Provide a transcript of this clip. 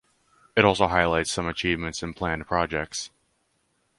It also highlights some achievements and planned projects.